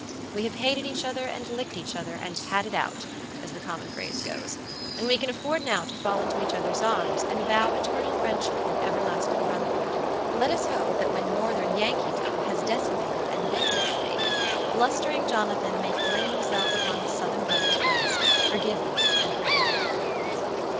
We have hated each other and licked each other and had it out, as the common phrase goes; and we can afford now to fall into each others' arms and vow eternal friendship and everlasting brotherhood. Let us hope that when Northern Yankeedom has decimated and been decimated, blustering Jonathan may fling himself upon his Southern brother's breast, forgiving and forgiven.